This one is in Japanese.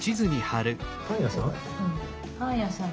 パンやさん？